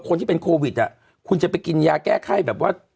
คนที่เป็นโควิดอ่ะคุณจะไปกินยาแก้ไข้แบบว่า